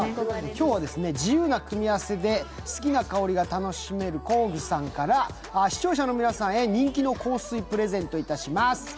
今日は自由な組み合わせで好きな香りが楽しめるＫＯ−ＧＵさんから視聴者の皆さんへ人気の香水、プレゼントいたします。